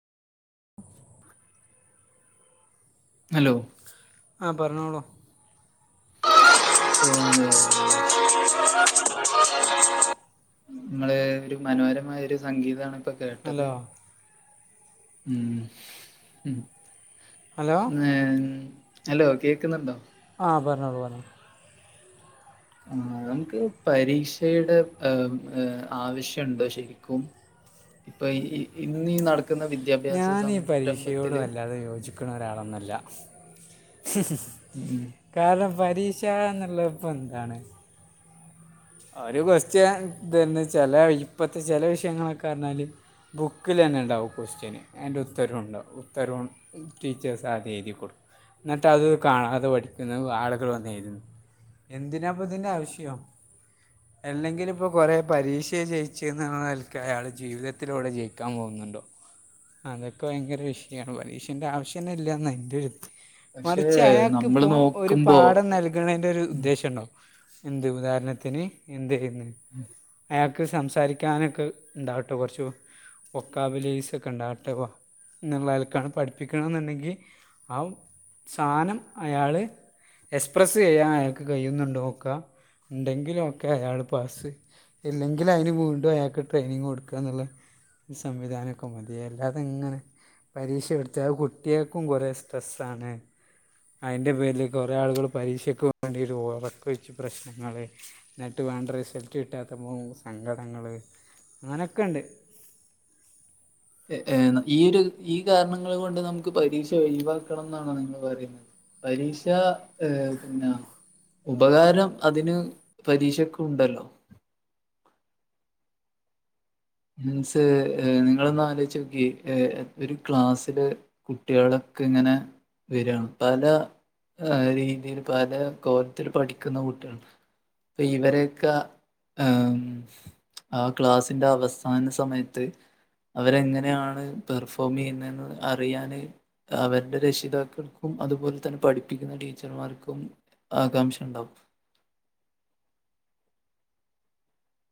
Hello ആഹ് പർഞ്ഞോളൂ [unintelligible] [inaudible] മ്മള് ഒരു മനോഹരമായ ഒരു സംഗീതാണ് ഇപ്പൊ കേട്ടത് ഹലോ ഉം ഉം ഹലോ ഹലോ കേക്ക്ന്ന്ണ്ടോ? ആഹ് പർഞ്ഞോളൂ പർഞ്ഞോ ആഹ് നമുക്ക് പരീക്ഷയുടെ ആവശ്യണ്ടോ ശരിക്കും ഇപ്പൊ ഈ ഇന്നീ നട ഞാനീ പരീക്ഷയോട് വല്ലാതെ യോജിക്ക്ണ ഒരാളൊന്നല്ല ഉം ഉം കാര്ണം പരീക്ഷ ന്ന്ള്ളപ്പം എന്താണ്? ഒരു ക്വസ്റ്റ്യൻ തന്നെ ചെല ഇപ്പത്തെ ചെല വിഷയങ്ങളൊക്കെർഞ്ഞാല് ബുക്കിലെന്നെണ്ടാകും ക്വസ്റ്റിന് അയ്ൻ്റെ ഉത്തരുണ്ടാവും. ഉത്തരം ടീച്ചേഴ്സ് ആദ്യേ എഴ്തി കൊട്ക്കും. ന്നിട്ട് അത് കാണാത പഠിക്കുന്ന ആളുകൾ വന്ന് എഴുതുന്നു എന്തിനാപ്പ ഇതിന്റെ ആവശ്യം അല്ലെങ്കില് ഇപ്പോ കൊറേ പരീക്ഷേ ജയിച്ച ന്നുള്ളൽക്ക് അയാള് ജീവിതത്തിലൗടെ ജയിക്കാൻ പോകുന്നുണ്ടോ അതൊക്കെ ഭയങ്കര വിഷയാണ്. പരീഷ്യന്റെ ആവശ്യന്നെ ഇല്ലന്ന എന്റെ ഒരു പക്ഷെ മറിച്ച് അയാൾക്കിപ്പോ നമ്മള് ഒരു നോക്കുമ്പോ പാഠം നൽകണന്റെ ഒരു ഉം ഉദ്ദേശം ഉണ്ടാവും. എന്ത് ഉദാഹരണത്തിന് എന്ത് ചെയന്ന് അ ക്ക് സംസാരിക്കാനൊക്കെ ഇണ്ടാവട്ടെ കുറച്ചു, ഒക്കാബലീസ് ഒക്കെ ഉണ്ടാവട്ടെ. എന്നുള്ള ആൽക്കാണ് പഠിപ്പിക്കണംന്നുണ്ടെങ്കി ആ സാനം അയാള്, എക്സ്പ്രെസ്സ് ചെയ്യാൻ അയാക്ക് കയിന്നുണ്ടോ നോക്കാ. ഉണ്ടെങ്കി ല്ലൊക്കെ അയാള് പാസ്. ഇല്ലെങ്കില അയ്ന് വീണ്ടും അയാക്ക് ട്രെയിനിങ് കൊടുക്കാ എന്നുള്ള, സംവിധാനമൊക്കെ മതി. അല്ലാതിങ്ങനെ, പരീക്ഷ എടുത്താൽ കുട്ടികൾക്കും കുറെ സ്ട്രെസ്സ ആണ്. അയിന്റെ പേരില് കൊറെ ആളുകള് പരീക്ഷക്ക് വേണ്ടിട്ട് ഉറക്ക ഒഴിച്ച് പ്രശ്നങ്ങള്. ന്നട്ട് വേണ്ട റിസൽറ്റ് കിട്ടാത്തപ്പോൾ സങ്കടങ്ങള്. അങ്ങനെയൊക്കെ ഇണ്ട്. ഏ ഈ ഒരു ഈ കാരണങ്ങൾ കൊണ്ട് നമുക്ക് പരീക്ഷ ഒയിവാക്കണം എന്നാണോ നിങ്ങൾ പറയുന്നത്. പരീക്ഷ ഏഹ് പിന്നാ, ഉപകാരം അതിന് പരീക്ഷക്ക് ഉണ്ടല്ലോ. മീൻസ് നിങ്ങളൊന്ന് ആലോചിച്ച് നോക്ക്യേ ഒരു ക്ലാസ്സില്, കുട്ടികളൊക്ക ഇങ്ങനെ വരാണ്. പല ആഹ് രീതിയിൽ പല കോലത്തിൽ പഠിക്കുന്ന കുട്ടികളുണ്ട്. അപ്പ ഇവരേക്ക ആം ക്ലാസിന്റെ അവസാ ന സമയത്ത് അവരെ എങ്ങനെയാണ് പെർഫോം ചെയ്യുന്നെന്ന് അറിയാന്, അവര്ടെ രക്ഷിതാക്കൾക്കും, അതുപോലെ തന്നെ പഠിപ്പിക്കുന്ന ടീച്ചർമാർക്കും, ആകാംഷ ഉണ്ടാവും.